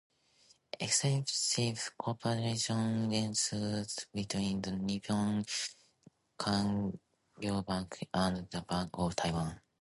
Extensive cooperation ensued between the Nippon Kangyo Bank and the Bank of Taiwan.